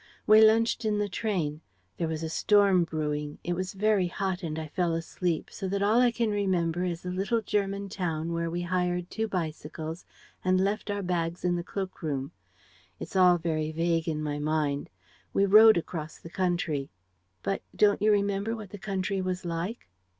We lunched in the train. There was a storm brewing, it was very hot and I fell asleep, so that all I can remember is a little German town where we hired two bicycles and left our bags in the cloak room. It's all very vague in my mind. We rode across the country." "But don't you remember what the country was like?"